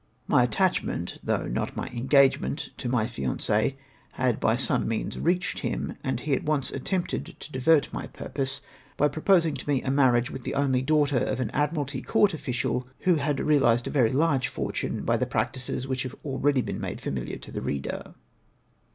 My attachment — though not my engagement — to my fiancee had by some means reached him, and he at once attempted to divert my purpose by proposing to me a marriage witli tlie only daughter of an Admiralty Court official who had realised a very large fortune by the practices which have already been made familiar to the reader.